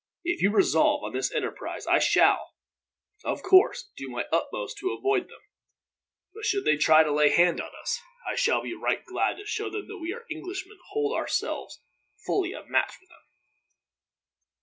If you resolve on this enterprise I shall, of course, do my utmost to avoid them; but should they try to lay hand on us, I shall be right glad to show them that we Englishmen hold ourselves fully a match for them."